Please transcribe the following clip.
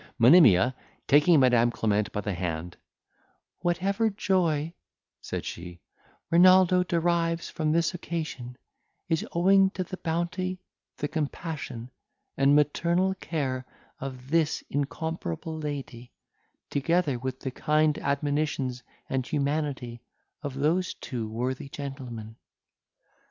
Monimia taking Madam Clement by the hand, "Whatever joy," said she, "Renaldo derives from this occasion, is owing to the bounty, the compassion, and maternal care of this incomparable lady, together with the kind admonitions and humanity of those two worthy gentlemen."